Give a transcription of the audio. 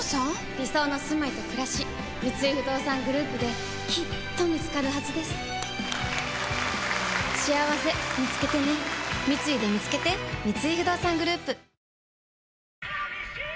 理想のすまいとくらし三井不動産グループできっと見つかるはずですしあわせみつけてね三井でみつけてお天気です。